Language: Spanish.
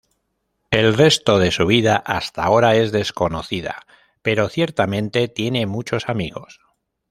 El resto de su vida hasta ahora es desconocida, pero ciertamente tiene muchos amigos.